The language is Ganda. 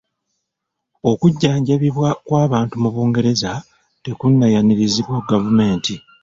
Okujjanjabibwa kw’abantu mu Bungereza tekunnayanirizibwa gavumenti.